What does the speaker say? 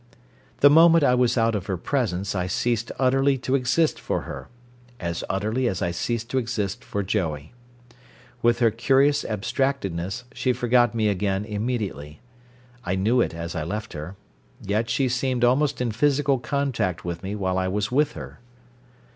The moment I was out of her presence I ceased utterly to exist for her as utterly as I ceased to exist for Joey. With her curious abstractedness she forgot me again immediately. I knew it as I left her. Yet she seemed almost in physical contact with me while I was with her.